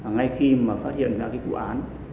ngay khi mà phát hiện ra cái vụ án